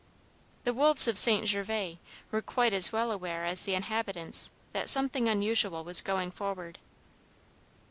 The wolves of St. Gervas were quite as well aware as the inhabitants that something unusual was going forward.